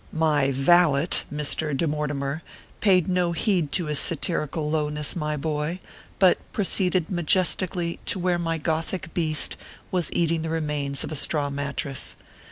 My valet, Mr. De Mortimer, paid no heed to his satirical lowness, my boy, but proceeded majestically ORPHEUS C. KERR PAPERS. 145 to where my gothic beast was eating the remains of a straw mattress.